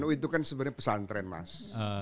nu itu kan sebenernya pesantren mas